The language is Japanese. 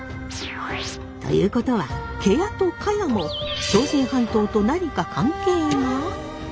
ということは芥屋と可也も朝鮮半島と何か関係が？